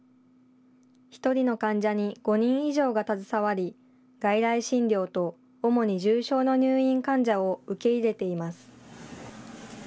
１人の患者に５人以上が携わり、外来診療と主に重症の入院患者を受け入れています。